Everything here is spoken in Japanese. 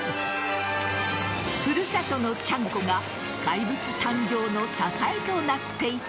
古里のちゃんこが怪物誕生の支えとなっていた。